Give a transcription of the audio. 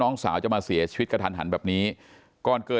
น้องสาวจะมาเสียชีวิตกระทันหันแบบนี้ก่อนเกิด